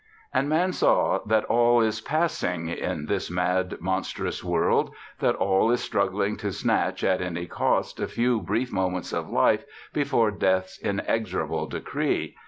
And Man saw that all is passing in this mad, monstrous world, that all is struggling to snatch, at any cost, a few brief moments of life before Death's inexorable decree.